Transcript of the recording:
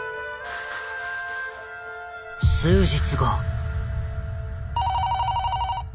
数日後。